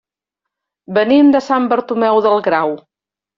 Venim de Sant Bartomeu del Grau.